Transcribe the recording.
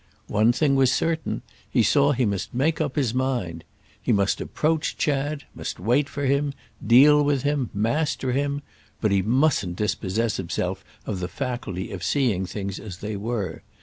One thing was certain—he saw he must make up his mind. He must approach Chad, must wait for him, deal with him, master him, but he mustn't dispossess himself of the faculty of seeing things as they were.